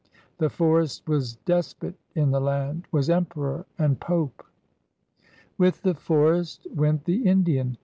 The forest was Despot in the land — was Emperor and Pope. With the forest went the Indian.